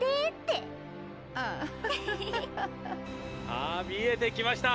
「あ見えてきました！